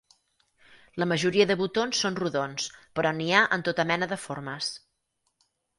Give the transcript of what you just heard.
La majoria de botons són rodons, però n'hi ha en tota mena de formes.